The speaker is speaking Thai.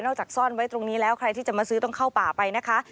จากซ่อนไว้ตรงนี้แล้วใครที่จะมาซื้อต้องเข้าป่าไปนะคะ